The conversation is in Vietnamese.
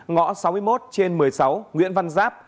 ngõ sáu mươi một trên một mươi sáu nguyễn văn giáp